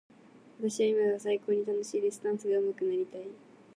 私は今が最高に楽しいです。ダンスがうまくなりたい。